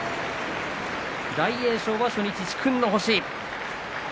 大栄翔は初日殊勲の星。